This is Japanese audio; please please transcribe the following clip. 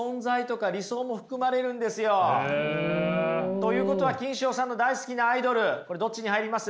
ということはキンショウさんの大好きなアイドルこれどっちに入ります？